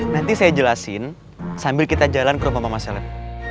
nanti saya jelasin sambil kita jalan ke rumah mama seleb